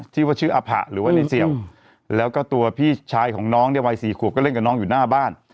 ที่ว่าชื่ออภะหรือว่าในเสี่ยวแล้วก็ตัวพี่ชายของน้องเนี่ยวัยสี่ขวบก็เล่นกับน้องอยู่หน้าบ้าน